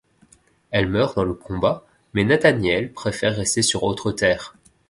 Elle meurt dans le combat mais Nathaniel préfère rester sur Autre Terre.